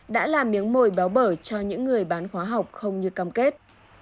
đã là miếng mồi béo bở cho những người bán khóa học không như cam kết